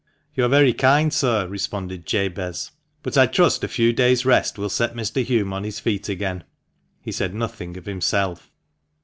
"You are very kind, sir," responded Jabez, "but I trust a few days' rest will set Mr. Hulme on his feet again." He said nothing of himself.